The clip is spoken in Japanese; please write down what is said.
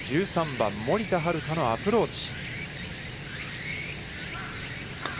１３番、森田遥のアプローチ。